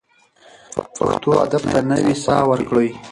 پښتو ادب ته نوې ساه ورکړئ.